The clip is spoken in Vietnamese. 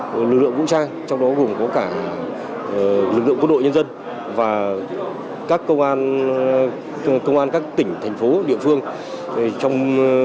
và lực lượng vũ trang trong đó gồm có cả lực lượng quân đội nhân dân và các công an các tỉnh thành phố địa phương